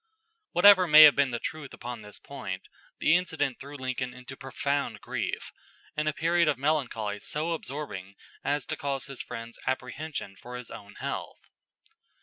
Whatever may have been the truth upon this point, the incident threw Lincoln into profound grief, and a period of melancholy so absorbing as to cause his friends apprehension for his own health.